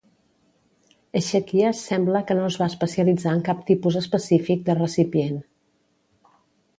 Exekias sembla que no es va especialitzar en cap tipus específic de recipient.